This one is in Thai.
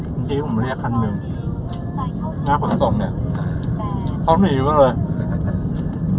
บางทีผมมาเรียกขั้นหนึ่งงานขนส่งเนี่ยเขาหนีมาเลย